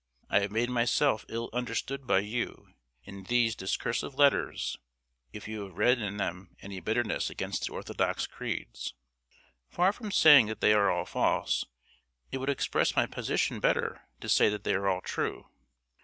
I have made myself ill understood by you in these discursive letters if you have read in them any bitterness against the orthodox creeds. Far from saying that they are all false, it would express my position better to say that they are all true.